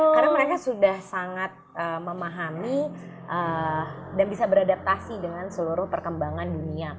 karena mereka sudah sangat memahami dan bisa beradaptasi dengan seluruh perkembangan dunia